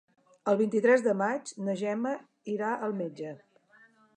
El vint-i-tres de maig na Gemma irà al metge.